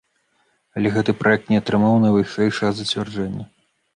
Але гэты праект не атрымаў найвышэйшага зацвярджэння.